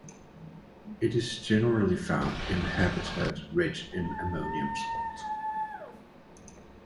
It is generally found in habitat rich in ammonium salt.